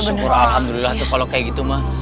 syukur alhamdulillah tuh kalau kayak gitu mah